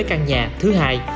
căn nhà thứ hai